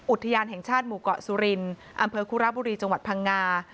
อุทยานแห่งชาติหมู่เกาะสุรินอำเภอคุระบุรีจังหวัดพังงา